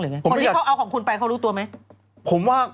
คนที่เขาเอาของคุณไปเขารู้ตัวไหม